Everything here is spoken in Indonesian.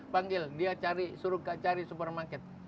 panggil dia cari suruh kak cari supermarket